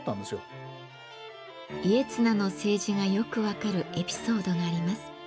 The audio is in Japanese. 家綱の政治がよく分かるエピソードがあります。